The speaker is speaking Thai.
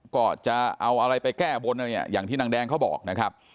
ก็จะเอาอะไรไปแก้บนเนี่ยอย่างที่นางแดงเขาบอกนะครับ